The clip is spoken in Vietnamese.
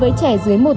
và trên thực tế